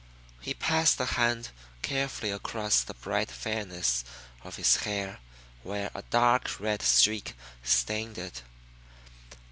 He passed a hand carefully across the bright fairness of his hair where a dark red streak stained it.